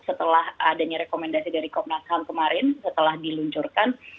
setelah adanya rekomendasi dari komnas ham kemarin setelah diluncurkan